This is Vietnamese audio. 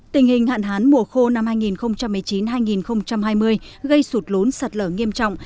tình hình hạn hán mùa khô năm hai nghìn một mươi chín hai nghìn hai mươi gây sụt lún sạt lở nghiêm trọng